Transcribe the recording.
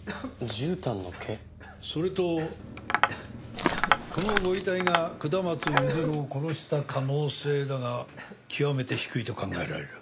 それとこのご遺体が下松譲を殺した可能性だが極めて低いと考えられる。